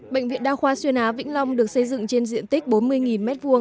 bệnh viện đa khoa xuyên á vĩnh long được xây dựng trên diện tích bốn mươi m hai